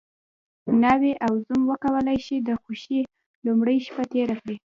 ناوې او زوم وکولی شي د خوښۍ لومړۍ شپه تېره کړي.